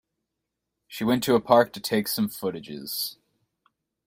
She went to a park to take some footages.